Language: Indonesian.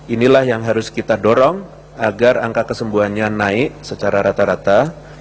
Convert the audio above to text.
inilah yang harus kita dorong agar angka kesembuhannya naik secara rata rata